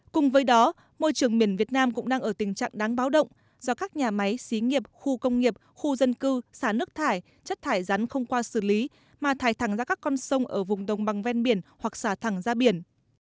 cùng với đó môi trường miền việt nam cũng đang ở tình trạng đáng báo động do các nhà máy xí nghiệp khu công nghiệp khu dân cư xả nước thải chất thải rắn không qua xử lý mà thải thẳng ra các con sông ở vùng đồng bằng ven biển hoặc xả thẳng ra biển